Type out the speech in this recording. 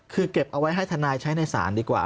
คือเก็บเอาไว้ให้ทนายใช้ในศาลดีกว่า